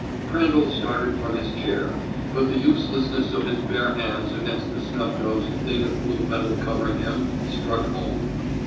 Crandall started from his chair, but the uselessness of his bare hands against the snub nosed thing of blue metal covering him struck home.